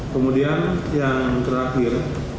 kemudian yang terakhir